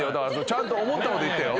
ちゃんと思ったこと言ってよ。